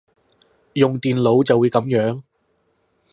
用電腦就會噉樣